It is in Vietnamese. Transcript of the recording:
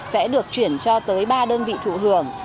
sẽ được chuyển cho tới ba đơn vị thụ hưởng